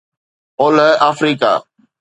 اولهه آفريڪا